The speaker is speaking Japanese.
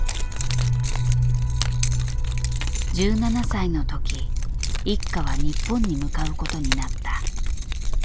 １７歳の時一家は日本に向かうことになった。